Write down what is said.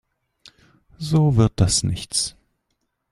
So wird das nichts.